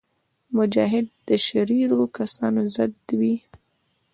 مجاهد د شریرو کسانو ضد وي.